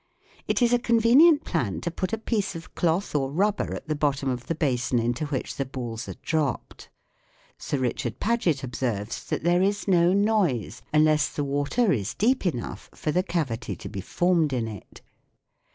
It is a convenient plan to put a piece of cloth or rubber at the bottom of the basin into which the balls are dropped. Sir Richard Paget observes that there is no noise unless the water is deep enough for the cavity to be formed in it.